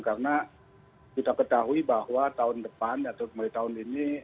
karena kita ketahui bahwa tahun depan atau mulai tahun ini